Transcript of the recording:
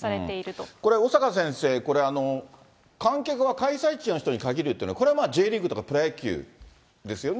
これ、小坂先生、観客は開催地の人に限るっていうの、これはまあ、Ｊリーグとかプロ野球ですよね。